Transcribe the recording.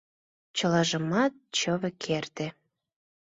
Чылажымат чыве керте!